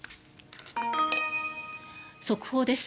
速報です。